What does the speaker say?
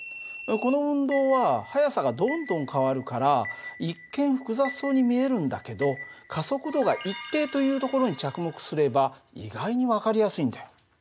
この運動は速さがどんどん変わるから一見複雑そうに見えるんだけど加速度が一定というところに着目すれば意外に分かりやすいんだよ。